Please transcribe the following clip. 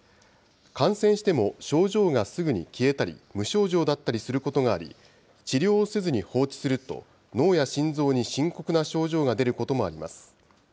感染しても症状がすぐに消えたり、無症状だったりすることがあり、治療をせずに放置すると、脳や心臓に深刻な症状が出ることもあります。